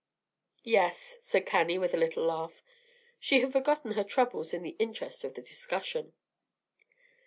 "Yes," said Cannie, with a little laugh. She had forgotten her troubles in the interest of the discussion.